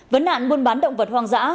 vấn nạn buôn bán động vật hoang dã